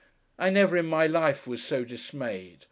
I never in my life was so dismayed!